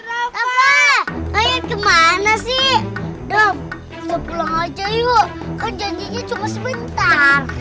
ali apa kayak gimana sih dong pulang aja yuk kan janjinya cuma sebentar